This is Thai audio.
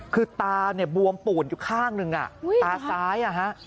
คือตาเนี่ยบวมปูดอยู่ข้างหนึ่งตาซ้าย